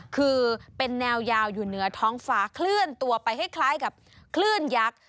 คือเป็นแนวยาวอยู่เหนือท้องฟ้าเคลื่อนตัวไปให้คล้ายกับคลื่นยักษ์